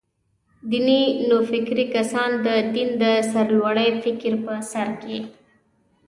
دیني نوفکري کسان «د دین د سرلوړۍ» فکر په سر کې.